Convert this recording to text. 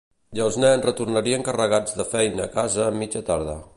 I els nens retornarien carregats de feina a casa a mitja tarda.